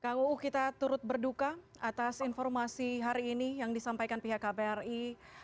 kang uu kita turut berduka atas informasi hari ini yang disampaikan pihak kbri